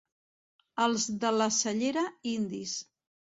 Els de la Cellera, indis.